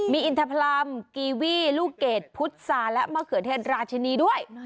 มีอินทพรรมกีวี่ลูกเกดพุษาและมะเขือเทศราชินีด้วย